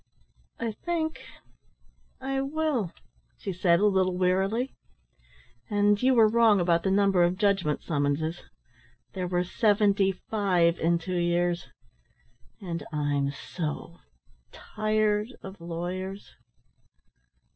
"I think I will," she said a little wearily. "And you were wrong about the number of judgment summonses, there were seventy five in two years and I'm so tired of lawyers."